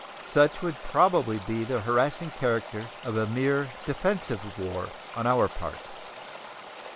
Such would probably be the harassing character of a mere defensive war on our part.